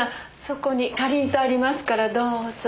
そこにかりんとうありますからどうぞ。